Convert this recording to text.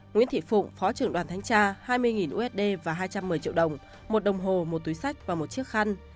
nguyễn thị phụng phó trưởng đoàn thanh tra hai mươi usd và hai trăm một mươi triệu đồng một đồng hồ một túi sách và một chiếc khăn